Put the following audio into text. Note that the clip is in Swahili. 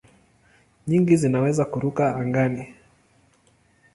Nyingi zinaweza kuruka angani.